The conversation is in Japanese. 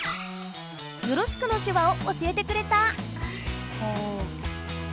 「よろしく」の手話を教えてくれた！